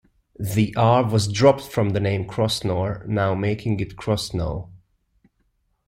The "r" was dropped from the name Crossnore now making it Crossnoe.